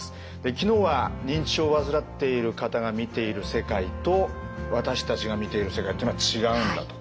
昨日は認知症を患っている方が見ている世界と私たちが見ている世界っていうのは違うんだと。